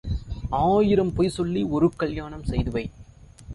ஆயிரம் பொய் சொல்லி ஒரு கல்யாணம் செய்து வை.